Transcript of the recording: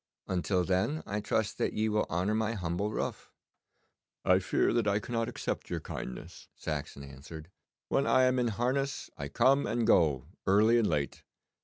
Until then I trust that ye will honour my humble roof.' 'I fear that I cannot accept your kindness,' Saxon answered. 'When I am in harness I come and go early and late.